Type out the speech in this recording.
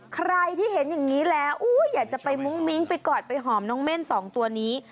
ใครที่เห็นอย่างนี้แล้วอยากจะไปมุ้งมิ้งไปกอดไปหอมน้องเม่นสองตัวนี้